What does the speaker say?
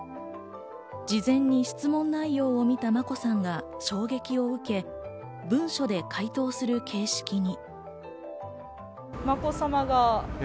事前に質問内容を見た眞子さんが衝撃を受け、文書で回答をする形式に。